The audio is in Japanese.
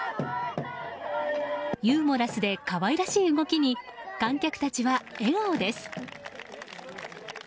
ユーモラスで可愛らしい動きに観客たちは笑顔です。